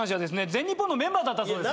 全日本のメンバーだったそうです。